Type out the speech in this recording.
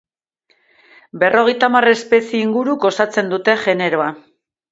Berrogeita hamar espezie inguruk osatzen dute generoa.